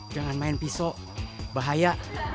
jangan main pisau bahaya